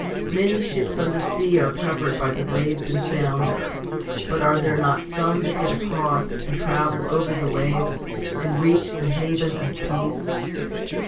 Many ships on the sea are covered by the waves and founder ; but are there not some that get across, and travel over the waves, and reach the haven of peace